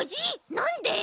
なんで！？